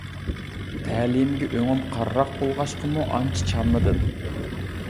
تەلىيىمگە ئۆڭۈم قارىراق بولغاچقىمۇ ئانچە چانمىدىم.